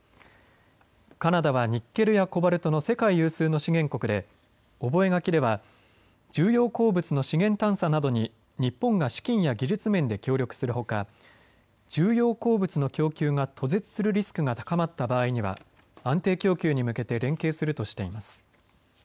カナダはニッケルやコバルトの世界有数の資源国で覚書では重要鉱物の資源探査などに日本が資金や技術面で協力するほか重要鉱物の供給が途絶するリスクが高まった場合には安定供給に向けて連携するとしています。